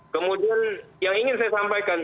kemudian yang ingin saya sampaikan